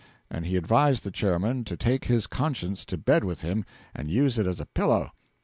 And he advised the Chairman to take his conscience to bed with him and use it as a pillow.